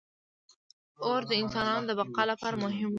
• اور د انسانانو د بقا لپاره مهم و.